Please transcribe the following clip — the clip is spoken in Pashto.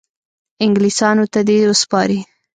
انګلیسیانو ته دي وسپاري.